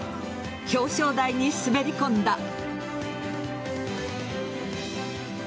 表彰台に滑り込んだ。